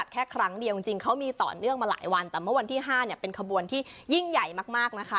แต่เมื่อวันที่๕เป็นขบวนที่ยิ่งใหญ่มากนะคะ